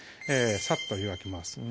さっと湯がきます